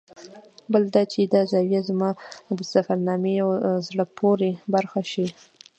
بل دا چې دا زاویه به زما د سفرنامې یوه زړه پورې برخه شي.